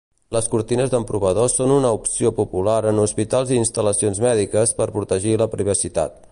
Les cortines d'emprovador són una opció popular en hospitals i instal·lacions mèdiques per protegir la privacitat.